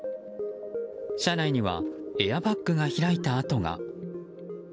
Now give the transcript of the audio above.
車内にはエアバッグが開いた跡が。